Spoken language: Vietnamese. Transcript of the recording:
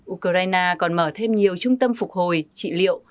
ukraine còn mở thêm nhiều trung tâm phục hồi trị liệu